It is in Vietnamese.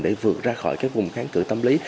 để vượt ra khỏi các vùng kháng cử tâm lý